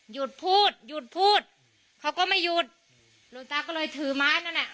หยุดพูดหยุดพูดเขาก็ไม่หยุดหลวงตาก็เลยถือไม้นั่นแหละ